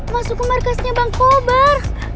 masuk ke markasnya bangkobar